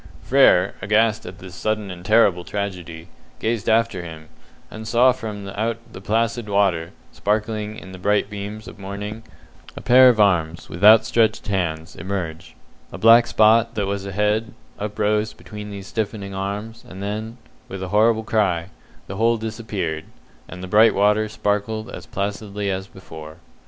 Frere, aghast at this sudden and terrible tragedy, gazed after him, and saw from out the placid water, sparkling in the bright beams of morning, a pair of arms, with outstretched hands, emerge; a black spot, that was a head, uprose between these stiffening arms, and then, with a horrible cry, the whole disappeared, and the bright water sparkled as placidly as before.